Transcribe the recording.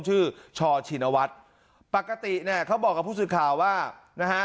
ชอชินวัฒน์ปกติเนี่ยเขาบอกกับผู้สื่อข่าวว่านะฮะ